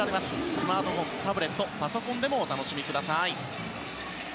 スマートフォン、タブレットパソコンでもお楽しみください。